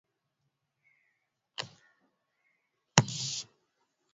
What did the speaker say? ni mkuki wa Moto Jina la Kenyata lilitokana na Mkanda aliopenda kuuvaa ambao ulitengenezwa